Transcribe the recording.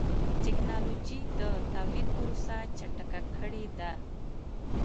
ټکنالوجي د تولید پروسه چټکه کړې ده.